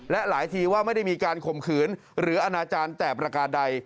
และหลายทีว่าไม่ได้มีการข่มขืนหรืออนาจารย์แต่ประการใด